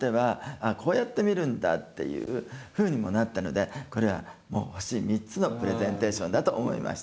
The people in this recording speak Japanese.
あこうやって見るんだっていうふうにもなったのでこれはもう星３つのプレゼンテーションだと思いました。